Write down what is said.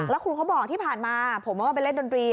แล้วครูเขาบอกที่ผ่านมาผมก็ไปเล่นดนตรี